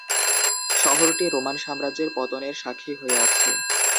শহরটি রোমান সাম্রাজ্যের পতনের সাক্ষী হয়ে আছে।